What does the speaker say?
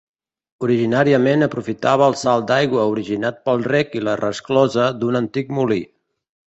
Originàriament aprofitava el salt d'aigua originat pel rec i la resclosa d'un antic molí.